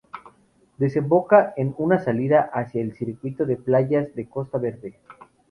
Desemboca en una salida hacia el circuito de playas de la Costa Verde.